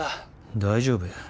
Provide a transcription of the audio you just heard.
大丈夫や。